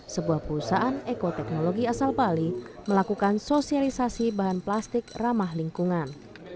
sebuah perusahaan ekoteknologi asal bali melakukan sosialisasi bahan plastik ramah lingkungan